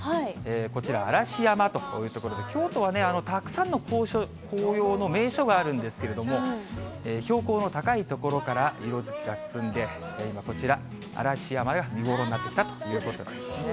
こちら、嵐山という所で、京都はたくさんの紅葉の名所があるんですけれども、標高の高い所から色づきが進んで、今、こちら、嵐山が見頃になってきたということですね。